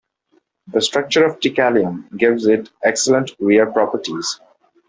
The structure of ticalium gives it excellent wear properties.